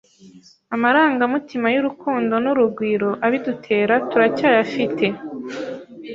amarangamutima y’urukundo n’urugwiro abidutera turacyayafite,